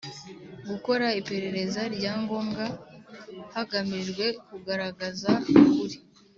Gukora iperereza rya ngombwa hagamijwe kugaragaza ukuri